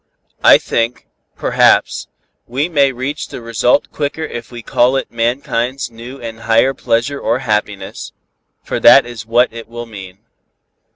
I think, perhaps, we may reach the result quicker if we call it mankind's new and higher pleasure or happiness, for that is what it will mean."